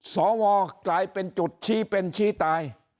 สวกลายเป็นจุดชี้เป็นชี้ตาย